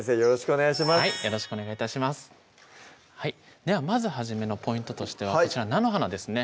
はいよろしくお願い致しますではまず初めのポイントとしてはこちら菜の花ですね